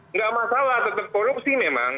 nggak masalah tetap korupsi memang